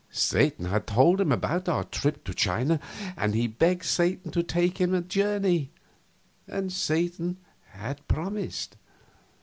Satan had told him about our trip to China, and he had begged Satan to take him a journey, and Satan had promised.